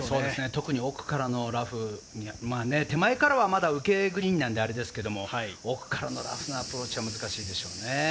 特に奥からのラフ、手前からはまた受けグリーンなんであれですけど、奥からのラフのアプローチは難しいですね。